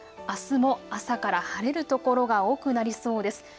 あすも朝から晴れる所が多くなりそうです。